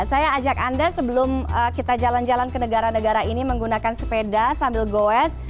saya ajak anda sebelum kita jalan jalan ke negara negara ini menggunakan sepeda sambil goes